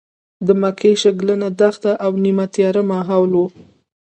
د مکې شګلنه دښته او نیمه تیاره ماحول و.